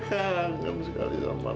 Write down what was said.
kangen sekali sama nafa